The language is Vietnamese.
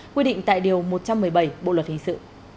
quy định tại điều một trăm một mươi bảy bộ luật hình sự